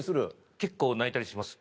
結構泣いたりします。